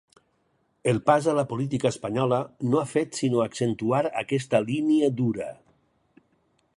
El pas a la política espanyola no ha fet sinó accentuar aquesta línia dura.